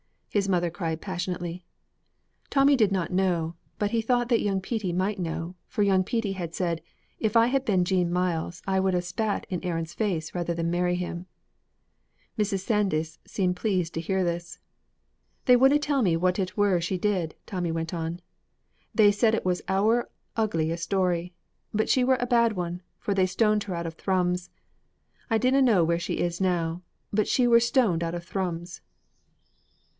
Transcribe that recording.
his mother cried passionately. Tommy did not know, but he thought that young Petey might know, for young Petey had said: "If I had been Jean Myles I would have spat in Aaron's face rather than marry him." Mrs. Sandys seemed pleased to hear this. "They wouldna tell me what it were she did," Tommy went on; "they said it was ower ugly a story, but she were a bad one, for they stoned her out of Thrums. I dinna know where she is now, but she were stoned out of Thrums!"